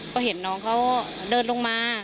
ก็เห็นน้องเขาเดินลงมา